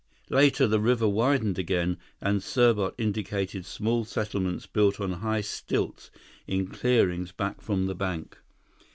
Later, the river widened again, and Serbot indicated small settlements built on high stilts in clearings back from the bank.